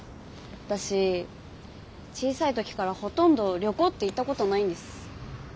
私小さい時からほとんど旅行って行ったことないんです。